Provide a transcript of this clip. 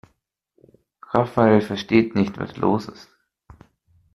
Rafael versteht nicht, was los ist.